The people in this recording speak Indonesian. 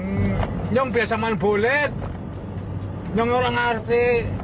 hmm yang biasa makan bolet yang orang ngerti